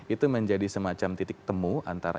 itu menjadi semacam titik temu antara